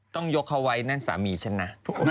ต้องยกเขาไว้นั่นสามีฉันนะ